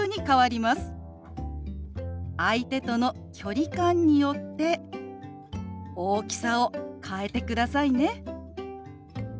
相手との距離感によって大きさを変えてくださいね。